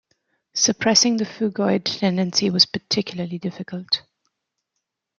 Suppressing the phugoid tendency was particularly difficult.